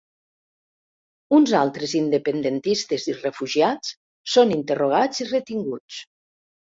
Uns altres independentistes i refugiats són interrogats i retinguts.